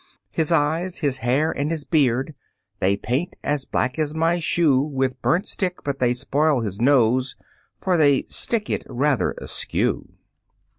His eyes, his hair, and his beard, They paint as black as my shoe With burnt stick, but they spoil his nose, For they stick it rather askew.